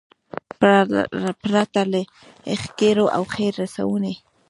پرته له ښېګړو او خیر رسونې.